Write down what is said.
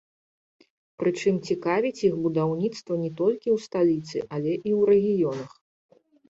Прычым цікавіць іх будаўніцтва не толькі ў сталіцы, але і ў рэгіёнах.